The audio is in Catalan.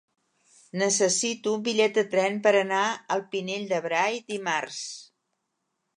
Necessito un bitllet de tren per anar al Pinell de Brai dimarts.